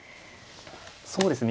そうですね。